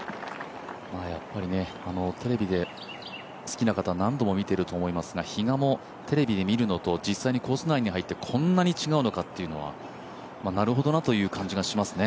やっぱり、テレビで好きな方は何度も見ていると思いますが比嘉もテレビで見るのと実際にコース内に入ってこんなに違うのかというのは、なるほどなという感じがしますね。